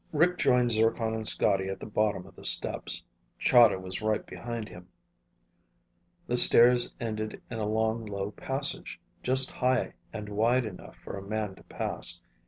Rick joined Zircon and Scotty at the bottom of the steps. Chahda was right behind him. The stairs ended in a long, low passage, just high and wide enough for a man to pass.